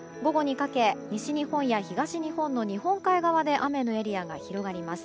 午後にかけ西日本や東日本の日本海側で雨のエリアが広がります。